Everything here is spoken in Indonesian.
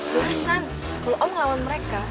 belasan kalau om ngelawan mereka